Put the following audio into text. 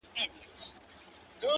ته خو له هري ښيښې وځې و ښيښې ته ورځې،